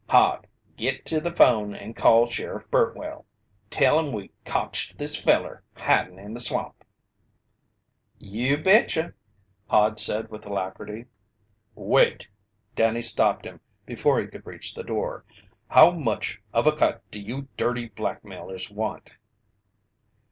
Hod, git to the phone and call Sheriff Burtwell. Tell 'im we cotched this feller hidin' in the swamp." "You betcha!" Hod said with alacrity. "Wait!" Danny stopped him before he could reach the door. "How much of a cut do you dirty blackmailers want?"